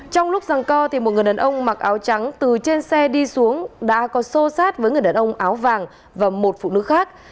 trong lúc răng co một người đàn ông mặc áo trắng từ trên xe đi xuống đã có xô sát với người đàn ông áo vàng và một phụ nữ khác